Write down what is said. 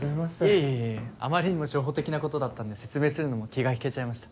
いえいえあまりにも初歩的なことだったんで説明するのも気が引けちゃいました。